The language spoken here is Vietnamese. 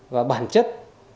và bản chất